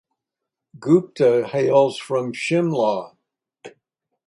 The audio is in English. Gupta hails from Shimla.